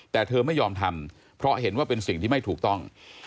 แต่เธอไม่ยอมทำเพราะเห็นว่าเป็นสิ่งที่ไม่ถูกต้อง